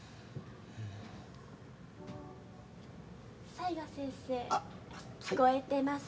雑賀先生聞こえてます。